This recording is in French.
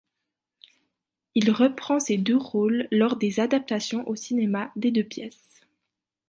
Il reprend ces deux rôles lors des adaptations au cinéma des deux pièces.